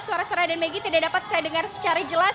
suara serah dan maggie tidak dapat saya dengar secara jelas